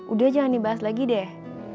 udah jangan dibahas lagi deh